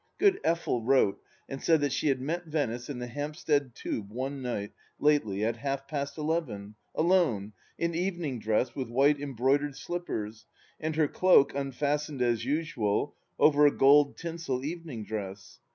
Good Effel wrote and said that she had met Venice in the Hampstead Tube one night, lately, at half past eleven, alone, in evening dress with white embroidered slippers, and her cloak, unfastened as usual, over a gold tinsel evening dress.